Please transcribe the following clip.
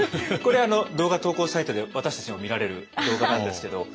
これ動画投稿サイトで私たちも見られる動画なんですけど。